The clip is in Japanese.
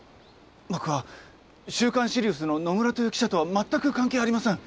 僕は『週刊シリウス』の野村という記者とはまったく関係ありません。